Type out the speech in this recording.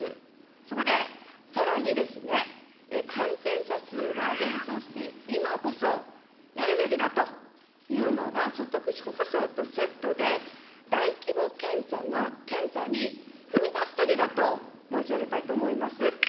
そこで、さらに感染者数が減少している今こそやるべきだというのが、所得補償とセットで大規模検査の、検査に踏み出すときだと申し上げたいと思います。